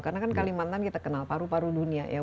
karena kan kalimantan kita kenal paru paru dunia ya